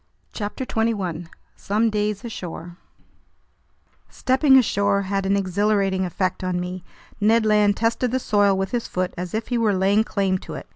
CHAPTER 21 Some Days Ashore STEPPING ASHORE had an exhilarating effect on me. Ned Land tested the soil with his foot, as if he were laying claim to it.